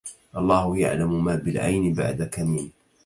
الله يعلم ما بالعين بعدك من